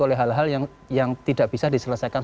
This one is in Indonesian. oleh hal hal yang tidak bisa diselesaikan